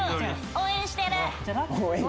「応援してる！」。